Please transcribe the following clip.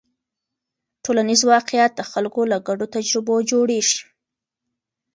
ټولنیز واقیعت د خلکو له ګډو تجربو جوړېږي.